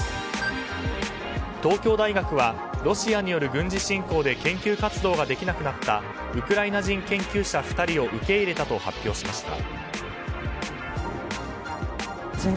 東京大学はロシアによる軍事侵攻で研究活動ができなくなったウクライナ人研究者２人を受け入れたと発表しました。